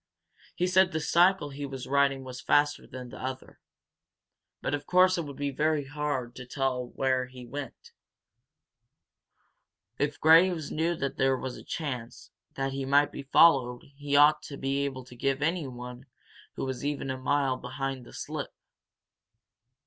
He said the cycle he was riding was faster than the other. But of course it would be very hard to tell just which to way to go. If Graves knew there was a chance that he might be followed he ought to be able to give anyone who was even a mile behind the slip."